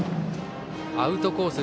アウトコース